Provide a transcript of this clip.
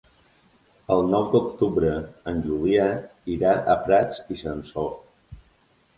El nou d'octubre en Julià irà a Prats i Sansor.